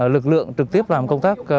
lực lượng trực tiếp làm công tác